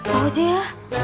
tau aja ya